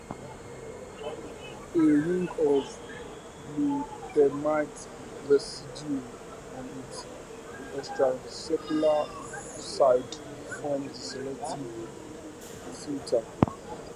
A ring of glutamate residues on its extracellular side forms the selectivity filter.